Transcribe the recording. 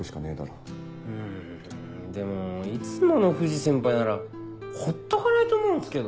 うんでもいつもの藤先輩ならほっとかないと思うんすけど。